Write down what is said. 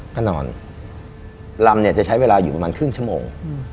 ก็นอนลำเนี่ยจะใช้เวลาอยู่ประมาณครึ่งชั่วโมง